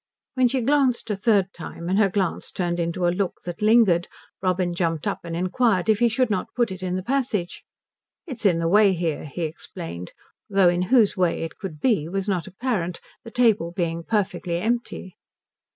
When she glanced a third time and her glance turned into a look that lingered Robin jumped up and inquired if he should not put it in the passage. "It's in the way here," he explained; though in whose way it could be was not apparent, the table being perfectly empty.